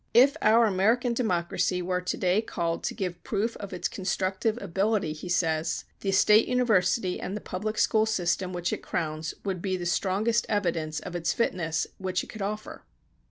"If our American democracy were to day called to give proof of its constructive ability," he says, "the State University and the public school system which it crowns would be the strongest evidence of its fitness which it could offer."